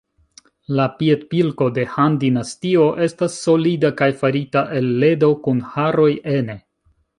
La piedpilko de Han-dinastio estas solida kaj farita el ledo kun haroj ene.